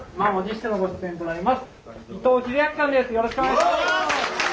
よろしくお願いします。